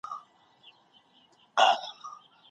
دا پوهه عملي سیاست ته ګټه رسوي.